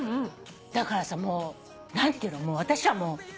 だからもう何ていうの私はもう。